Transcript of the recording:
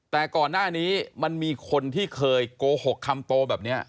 แต่ก่อนหน้านี้มันมีคนที่เคยโกหกคำโตแบบนี้